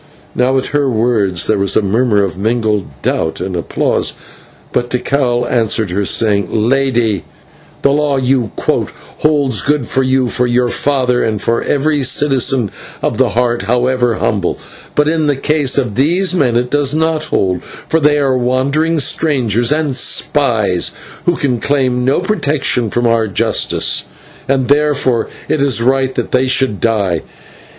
Now at her words there was a murmur of mingled doubt and applause, but Tikal answered her, saying: "Lady, the law you quote holds good for you, for your father, and for every citizen of the Heart, however humble; but in the case of these men it does not hold, for they are wandering strangers and spies, who can claim no protection from our justice, and therefore it is right that they should die."